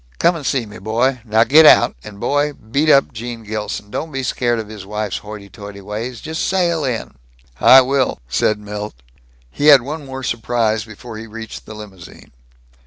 Come and see me, boy. Now get out, and, boy, beat up Gene Gilson. Don't be scared of his wife's hoity toity ways. Just sail in." "I will," said Milt. He had one more surprise before he reached the limousine.